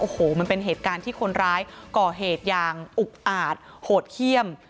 โอ้โหมันเป็นเหตุการณ์ที่คนร้ายก่อเหตุอย่างอุกอาจโหดเขี้ยม